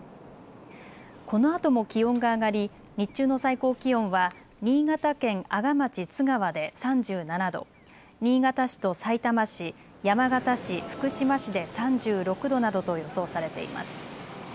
このあとも気温が上がり日中の最高気温は新潟県阿賀町津川で３７度、新潟市とさいたま市、山形市、福島市で３６度などと予想されています。